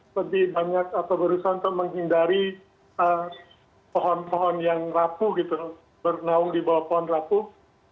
lebih banyak atau berusaha untuk menghindari pohon pohon yang rapuh gitu bernaung di bawah pohon rapuh